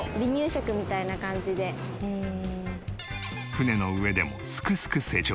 船の上でもすくすく成長。